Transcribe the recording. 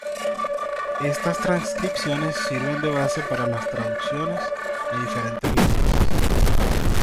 Estas transcripciones sirven de base para las traducciones a diferentes lenguas.